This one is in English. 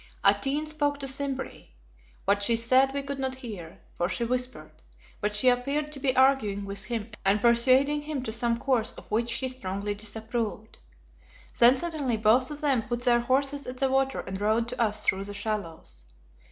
Atene spoke to Simbri. What she said we could not hear, for she whispered, but she appeared to be arguing with him and persuading him to some course of which he strongly disapproved. Then suddenly both of them put their horses at the water and rode to us through the shallows.